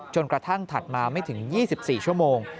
กระทั่งถัดมาไม่ถึง๒๔ชั่วโมง